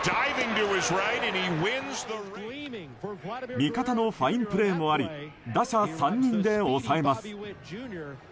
味方のファインプレーもあり打者３人で抑えます。